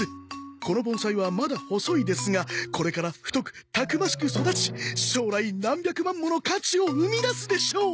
この盆栽はまだ細いですがこれから太くたくましく育ち将来何百万もの価値を生み出すでしょう。